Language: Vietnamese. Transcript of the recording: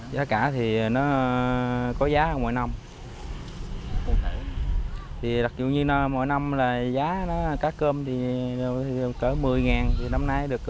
giá cá cơm thì cỡ một mươi ngàn năm nay được cỡ một mươi một một mươi hai ngàn